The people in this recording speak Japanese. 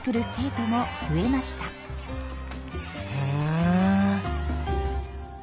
へえ。